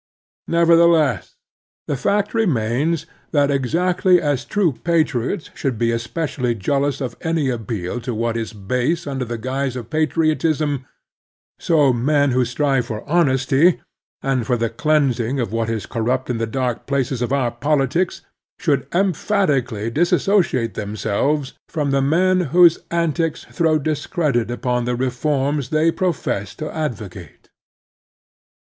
Nevertheless, the fact remains that exactly as true patriots should be especially jealous of any appeal to what is base under the guise of patriotism, so men who strive for honesty, and for the cleansing of what is corrupt in the dark places of our politics, should emphatically disassociate themselves from the men whose antics throw discredit upon the reforms they profess to advocate.